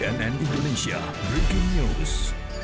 cnn indonesia breaking news